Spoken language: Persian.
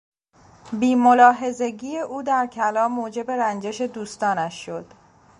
بیملاحظگی او در کلام موجب رنجش دوستانش شد.